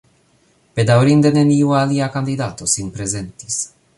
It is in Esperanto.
Bedaŭrinde neniu alia kandidato sin prezentis.